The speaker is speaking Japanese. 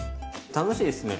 楽しいですね。